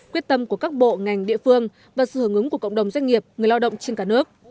quyết tâm của các bộ ngành địa phương và sự hưởng ứng của cộng đồng doanh nghiệp người lao động trên cả nước